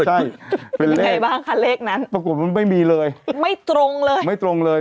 ใช่เป็นเลขปรากฏมันไม่มีเลย